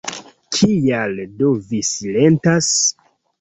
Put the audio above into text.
Kial do vi silentas?